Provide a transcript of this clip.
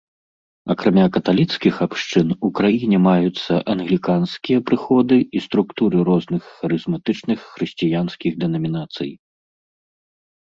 Акрамя каталіцкіх абшчын у краіне маюцца англіканскія прыходы і структуры розных харызматычных хрысціянскіх дэнамінацый.